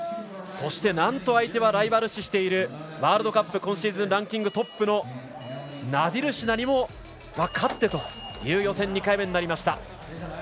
そして、なんと相手はライバル視しているワールドカップ、今シーズンランキングトップのナディルシナにも勝ってという予選２回目となりました。